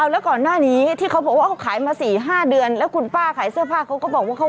แล้วก่อนหน้านี้ที่เขาบอกว่าเขาขายมา๔๕เดือนแล้วคุณป้าขายเสื้อผ้าเขาก็บอกว่าเขา